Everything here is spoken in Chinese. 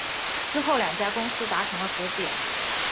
之后两家公司达成了和解。